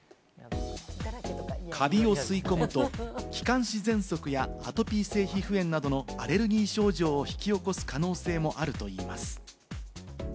カビを吸い込むと、気管支ぜん息やアトピー性皮膚炎などのアレルギー症状を引き起こす可能性もあるといいます。